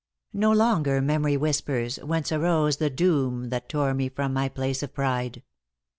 * No longer memory whispers whence arose The doom that tore me from my place of pride.